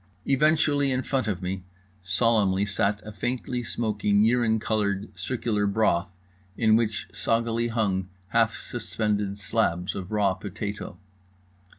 Eventually, in front of me, solemnly sat a faintly smoking urine coloured circular broth, in which soggily hung half suspended slabs of raw potato.